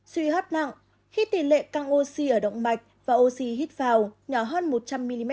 suy hấp nặng khi tỷ lệ căng oxy ở động mạch và oxy hít vào nhỏ hơn một trăm linh mm